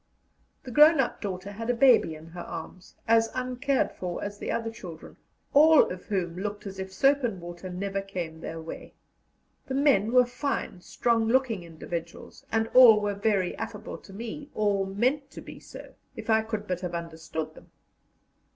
The grown up daughter had a baby in her arms, as uncared for as the other children, all of whom looked as if soap and water never came their way. The men were fine, strong looking individuals, and all were very affable to me, or meant to be so, if I could but have understood them.